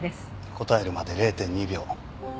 答えるまで０．２秒。